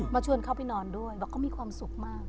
ชวนเขาไปนอนด้วยบอกเขามีความสุขมาก